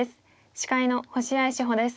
司会の星合志保です。